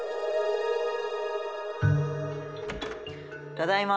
ただいま。